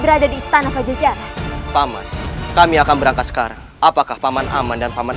berada di istana pajajar paman kami akan berangkat sekarang apakah paman aman dan paman